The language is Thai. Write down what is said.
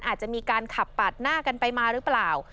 อาจจะมีการขับปาดหน้ากันไปมาหรือเปล่า